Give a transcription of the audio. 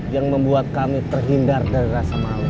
yang membuat kami terhindar dari rasa malu